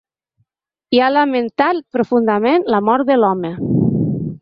I ha lamentat ‘profundament’ la mort de l’home.